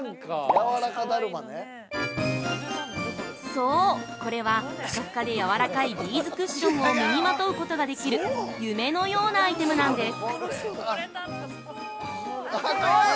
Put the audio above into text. そう、これは、ふかふかでやわらかいビーズクッションを身にまとうことができる夢のようなアイテムなんです。